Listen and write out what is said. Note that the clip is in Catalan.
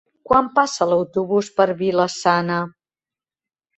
Quan passa l'autobús per Vila-sana?